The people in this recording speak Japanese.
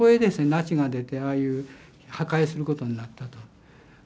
ナチが出てああいう破壊することになったと。